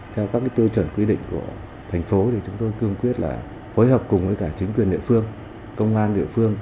theo các tiêu chuẩn quy định của thành phố thì chúng tôi cương quyết là phối hợp cùng với cả chính quyền địa phương công an địa phương